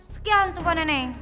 sekian sumpah nenek